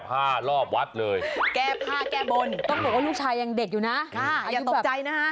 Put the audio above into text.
เพราะลูกชายยังเด็กอยู่นะอย่าตกใจนะฮะ